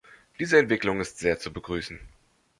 Diese Entwicklung ist sehr zu begrüßen.